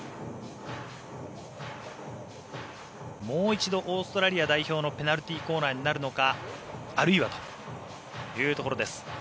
もう一度オーストラリア代表のペナルティーコーナーになるのかあるいはというところです。